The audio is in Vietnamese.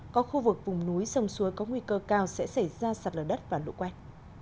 có khu vực vùng núi sông suối có nguy cơ cao sẽ xảy ra sạt lở đất và lũ quét